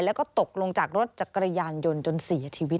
แล้วก็ตกลงจากรถจักรยานยนต์จนเสียชีวิต